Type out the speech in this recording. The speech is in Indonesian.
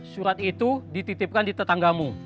surat itu dititipkan di tetanggamu